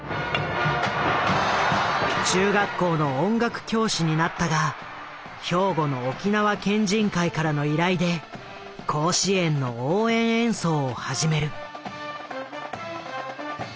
中学校の音楽教師になったが兵庫の沖縄県人会からの依頼で甲子園の応援演奏を始める。